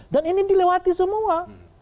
dan ini dilewati semua